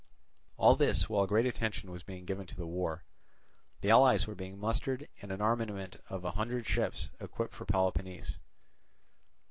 All this while great attention was being given to the war; the allies were being mustered, and an armament of a hundred ships equipped for Peloponnese.